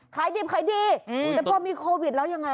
ขายดิบขายดีแต่พอมีโควิดแล้วยังไง